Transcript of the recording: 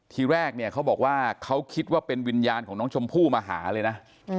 ทีแรกเนี่ยเขาบอกว่าเขาคิดว่าเป็นวิญญาณของน้องชมพู่มาหาเลยนะ